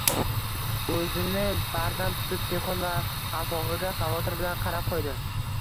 oʻzini bardam tutib Tixon va qalpogʻiga xavotir bilan qarab qoʻydi.